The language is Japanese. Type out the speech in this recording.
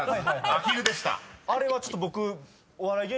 あれはちょっと僕お笑い。